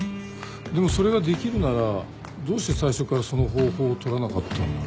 でもそれができるならどうして最初からその方法を取らなかったんだろう？